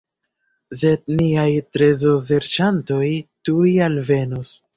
Sed niaj trezorserĉantoj tuj alvenos.